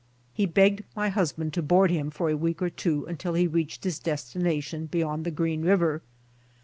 He begged my husband to board him for a week or two until he reached his destination beyond the Green river.